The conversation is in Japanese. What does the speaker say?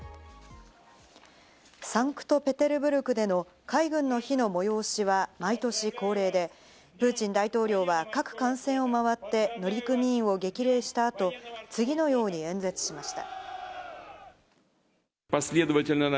サンクトペテルブルクでの海軍の日の催しは毎年恒例で、プーチン大統領は各艦船をまわって、乗組員を激励した後、次のように演説しました。